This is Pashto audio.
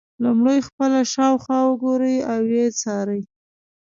لومړی خپله شاوخوا وګورئ او ویې څارئ.